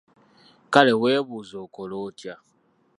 Kale weebuuze okola otya?